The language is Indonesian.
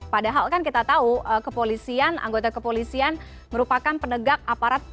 padahal kan kita tahu kepolisian anggota kepolisian merupakan penegak aparat